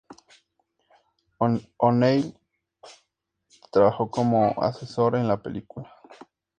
O'Neill trabajó como asesor en la película.